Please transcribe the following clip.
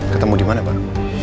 ketemu di mana pak